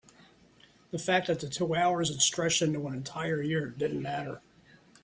the fact that the two hours had stretched into an entire year didn't matter.